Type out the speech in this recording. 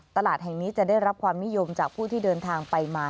ตลาดแห่งนี้จะได้รับความนิยมจากผู้ที่เดินทางไปมา